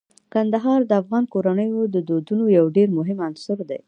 کندهار د افغان کورنیو د دودونو یو ډیر مهم عنصر دی.